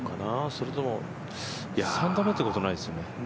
それとも３打目ってことないですよね